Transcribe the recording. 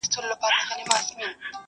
داسي زور نه وو چي نه یې وي منلي.!